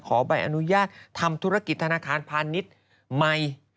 ใบอนุญาตทำธุรกิจธนาคารพาณิชย์ใหม่